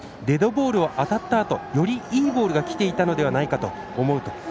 デッドボールを当たったあとよりいいボールがきていたのではないかと思うと。